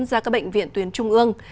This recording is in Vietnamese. ra các bệnh viện tuyến trung ương